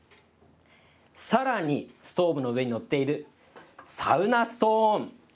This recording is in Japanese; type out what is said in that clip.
さらに、ストーブの上に載っているサウナストーン。